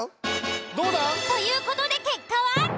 どうだ？という事で結果は。